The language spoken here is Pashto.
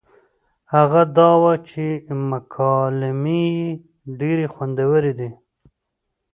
هغه دا وه چې مکالمې يې ډېرې خوندورې دي